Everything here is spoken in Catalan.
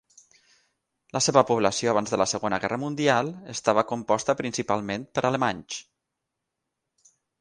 La seva població abans de la Segona Guerra Mundial estava composta principalment per alemanys.